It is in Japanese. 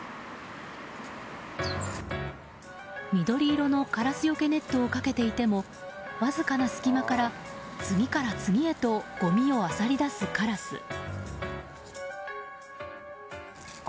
緑色のカラスよけネットをかけていてもわずかな隙間から次から次へとごみをあさり出すカラス。